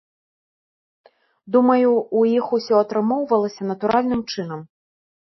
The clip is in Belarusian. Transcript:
Думаю, у іх усё атрымоўвалася натуральным чынам.